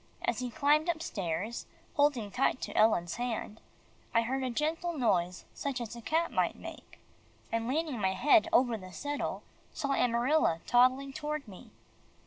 As he climbed upstairs, holding tight to Ellen's hand, I heard a gentle noise such as a cat might make, and leaning my head over the settle, saw Amarilla toddling toward me.